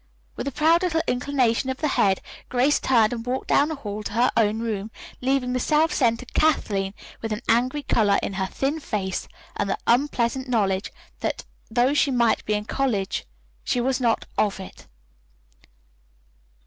With a proud little inclination of the head, Grace turned and walked down the hall to her own room, leaving the self centered Kathleen with an angry color in her thin face and the unpleasant knowledge that though she might be in college, she was not of it.